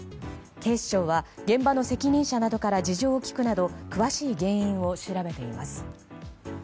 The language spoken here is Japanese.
警視庁は現場の責任者などから事情を聴くなど詳しい原因を調べています。